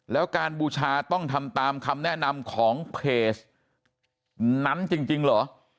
แล้วการบูชาต้องทำตามคำแนะนำของเพจนั้นจริงเหรอ